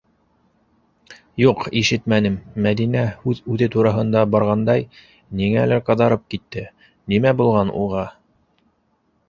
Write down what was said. Юҡ, ишетмәнем, - Мәҙинә, һүҙ үҙе тураһында барғандай, ниңәлер ҡыҙарып китте, - нимә булған уға?